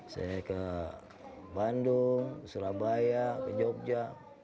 saya ke bandung surabaya jogja